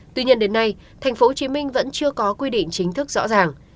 tuy nhiên đến nay tp hcm vẫn chưa có quy định chính thức rõ ràng